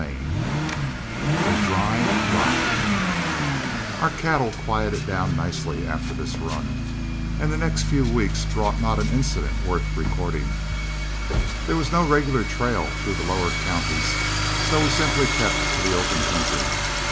CHAPTER V A DRY DRIVE Our cattle quieted down nicely after this run, and the next few weeks brought not an incident worth recording. There was no regular trail through the lower counties, so we simply kept to the open country.